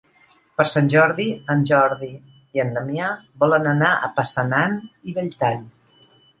Per Sant Jordi en Jordi i en Damià volen anar a Passanant i Belltall.